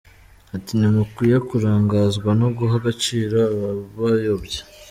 Ati “ntimukwiye kurangazwa no guha agaciro ababayobya.